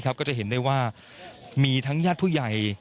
ก็จะเห็นได้ว่ามีทั้งญาติผู้ใหญ่